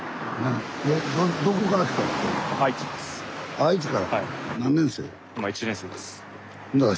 愛知から。